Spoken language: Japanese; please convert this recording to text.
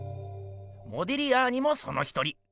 モディリアーニもその一人。